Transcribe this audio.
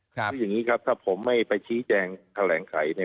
สิ่งนี้ครับถ้าผมไม่ไปชี้แจงแขลงไข